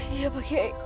iya pak kiai